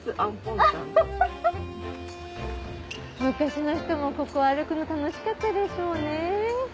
昔の人もここ歩くの楽しかったでしょうね。